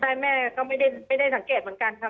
ใช่แม่ก็ไม่ได้สังเกตเหมือนกันค่ะ